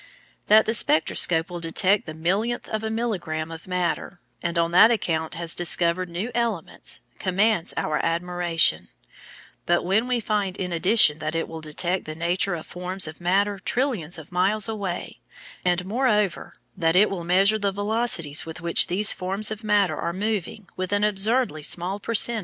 "That the spectroscope will detect the millionth of a milligram of matter, and on that account has discovered new elements, commands our admiration; but when we find in addition that it will detect the nature of forms of matter trillions of miles away, and moreover, that it will measure the velocities with which these forms of matter are moving with an absurdly small per cent.